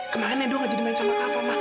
kemarin edo gak jadi main sama kava ma